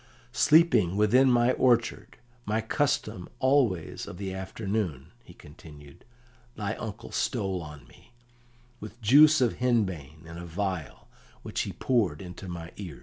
"Sleeping within my orchard, my custom always of the afternoon," he continued, "thy uncle stole on me, with juice of henbane in a vial, which he poured into my ears."